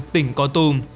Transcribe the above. tỉnh con tùm